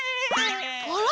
あら？